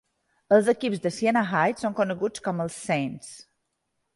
Els equips de Siena Heights són coneguts com els Saints.